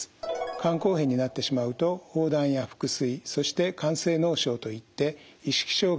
肝硬変になってしまうと黄疸や腹水そして肝性脳症といって意識障害が出てくることもあります。